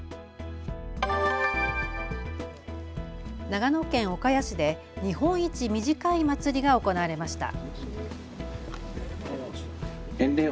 長野県岡谷市で日本一短い祭りが行われました。